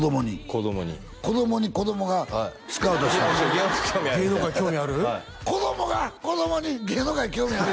子供に子供に子供がスカウトした「芸能界興味ある？」みたいな子供が子供に「芸能界興味ある？」